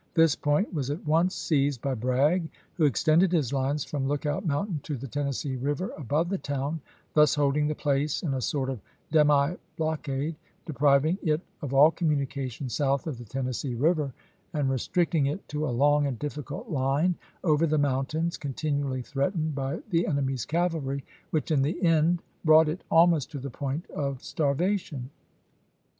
This point was at once seized by Bragg, who extended his lines from Lookout Mountain to the Tennessee Eiver above the town, thus hold ing the place in a sort of demi blockade, depriving it of all communication south of the Tennessee Eiver and restricting it to a long and difficult line over the mountains, continually threatened by the enemy's cavalry, which, in the end, brought it almost to the point of starvation.